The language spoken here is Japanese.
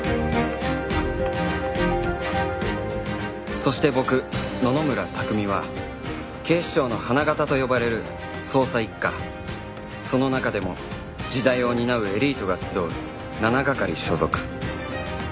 そして僕野々村拓海は警視庁の花形と呼ばれる捜査一課その中でも次代を担うエリートが集う７係所属